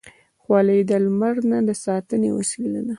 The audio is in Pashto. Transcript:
خولۍ د لمر نه د ساتنې وسیله ده.